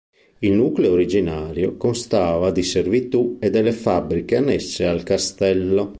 Il nucleo originario constava di servitù e delle fabbriche annesse al castello.